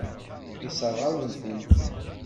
Yessṛeɣ-am-tent.